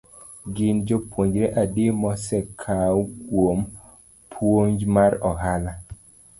Gin jopuonjre adi mosekau kuom puonj mar ohala?